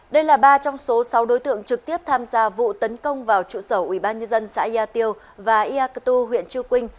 đây là ba trong số sáu đối tượng trực tiếp tham gia vụ tấn công vào trụ sở ủy ban nhân dân xã yà tiêu và iactu huyện chư quynh